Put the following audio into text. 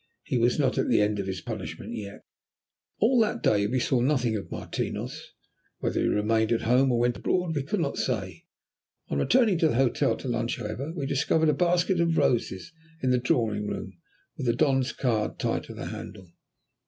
He was not at the end of his punishment yet. All that day we saw nothing of Martinos. Whether he remained at home or went abroad we could not say. On returning to the hotel to lunch, however, we discovered a basket of roses in the drawing room, with the Don's card tied to the handle.